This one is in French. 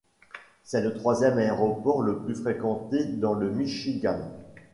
C'est le troisième aéroport le plus fréquenté dans le Michigan.